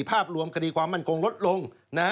ภาพรวมคดีความมั่นคงลดลง